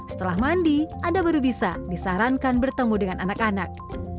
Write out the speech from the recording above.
setelah mandi anda baru bisa disarankan bertemu dengan anak anak